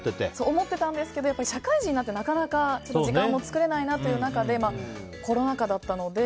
思ってたんですけど社会人になって、なかなか時間も作れないなという中でコロナ禍だったので。